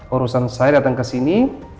urusan saya datang kesini